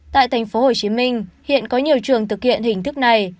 tại tp hcm hiện có nhiều trường thực hiện hình thức này